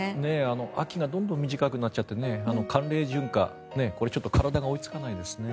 秋がどんどん短くなっちゃって寒冷順化、ちょっと体が追いつかないですね。